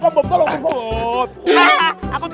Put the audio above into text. bapak bapak tolong aku bapak